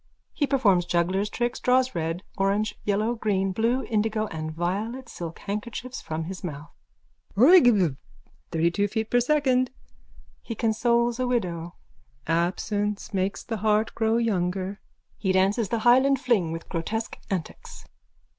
_(He performs juggler's tricks, draws red, orange, yellow, green, blue, indigo and violet silk handkerchiefs from his mouth.)_ Roygbiv. 32 feet per second. (He consoles a widow.) Absence makes the heart grow younger. _(He dances the Highland fling with grotesque antics.)